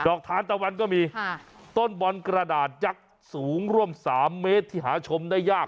ทานตะวันก็มีต้นบอลกระดาษยักษ์สูงร่วม๓เมตรที่หาชมได้ยาก